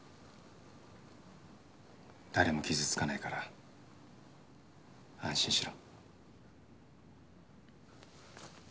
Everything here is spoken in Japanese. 誰も傷つかないから安心しろ。